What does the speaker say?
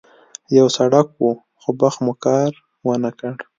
یو سړک و، خو بخت مو کار ونه کړ.